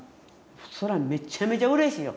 そらめっちゃめちゃうれしいよ。